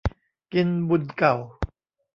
กินบุญเก่า